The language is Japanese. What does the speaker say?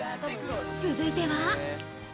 続いては。